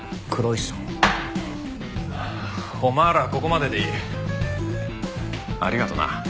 お前らはここまででいい。ありがとな。